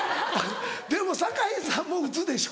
でも堺さんも打つでしょ？